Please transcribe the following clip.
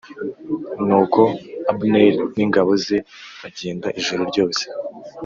Nuko Abuneri n ingabo ze bagenda ijoro ryose